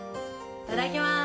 いただきます。